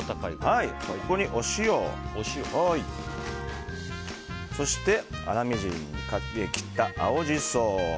ここにお塩そして粗みじんに切った青ジソ。